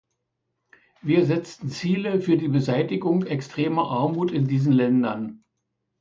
Wir setzten Ziele für die Beseitigung extremer Armut in diesen Ländern.